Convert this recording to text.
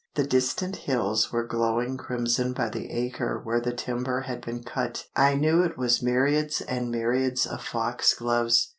The distant hills were glowing crimson by the acre where the timber had been cut, I knew it was myriads and myriads of foxgloves.